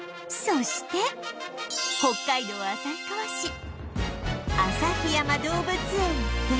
そして北海道旭川市旭山動物園で